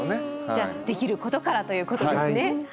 じゃあできることからということですね。